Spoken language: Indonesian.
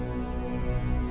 lalu kenapa buat amerika lagi